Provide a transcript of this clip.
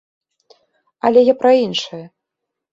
Але я пра іншае.